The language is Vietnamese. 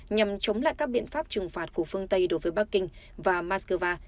nhằm chống lại các biện pháp trừng phạt của phương tây đối với bắc kinh và moscow